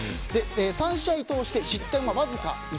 ３試合通して失点はわずか１。